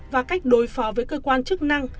và cách đối phó với cơ quan chức năng